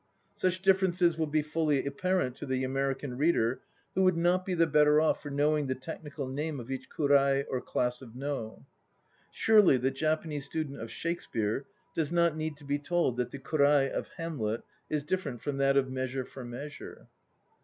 Such differences will be fully apparent to the American reader, who would not be the better off for knowing the technical name of each kurai or class of No. Surely the Japanese student of Shakespeare does not need to be told that the kurai of "Hamlet" is different from that of "Measure for Measure"?